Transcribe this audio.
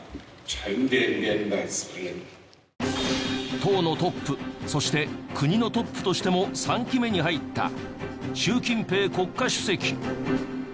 党のトップそして国のトップとしても３期目に入った習近平国家主席。